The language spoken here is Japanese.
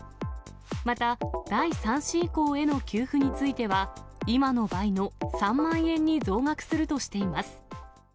また、第３子以降への給付については、今の倍の３万円に増額するとしています。